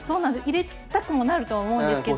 入れたくもなるとは思うんですけど。